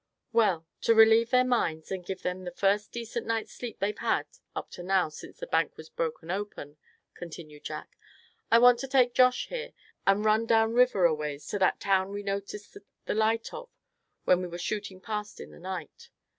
"Well, to relieve their minds, and give them the first decent night's sleep they've had up to now since the bank was broken open," continued Jack, "I want to take Josh here, and run down river a ways to that town we noticed the light of when we were shooting past in the night."